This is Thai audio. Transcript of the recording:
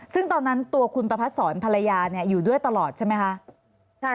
ซึ่งตอนนั้นตัวคุณประพัดศรภรรยาอยู่ด้วยตลอดใช่ไหมคะ